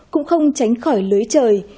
cũng không tránh khỏi lưới trời